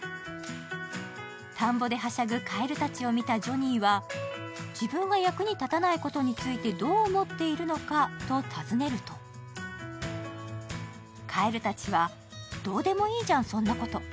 田んぼではしゃぐカエルたちを見たジョニーは自分が役に立たないことについてどう思っているのかと尋ねると、カエルたちは、どうでもいいじゃんそんなこと。